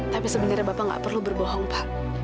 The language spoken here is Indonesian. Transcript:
tapi sebenarnya bapak nggak perlu berbohong pak